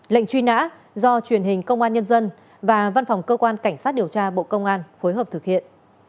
lệnh truy nã do truyền hình công an nhân dân và văn phòng cơ quan cảnh sát điều tra bộ công an phối hợp thực hiện